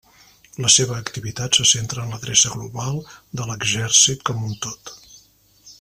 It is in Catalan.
La seva activitat se centra en l'adreça global de l'Exèrcit com un tot.